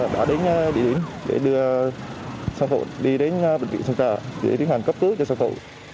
đã đến địa điểm để đưa sản phụ đi đến bệnh viện sân trả để tiến hành cấp cứu cho sản phụ